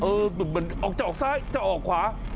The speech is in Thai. เออมันจะออกซ้ายเป็นจะออกขวา